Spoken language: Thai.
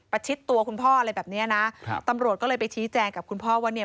ชิดตัวคุณพ่ออะไรแบบเนี้ยนะครับตำรวจก็เลยไปชี้แจงกับคุณพ่อว่าเนี่ย